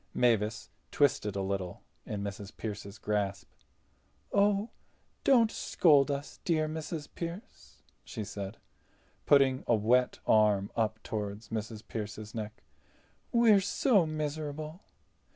Mavis twisted a little in Mrs. Pearce's grasp. "Oh, don't scold us, dear Mrs. Pearce," she said, putting a wet arm up toward Mrs. Pearce's neck. "We are so miserable."